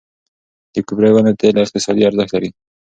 د کوپره ونې تېل اقتصادي ارزښت لري.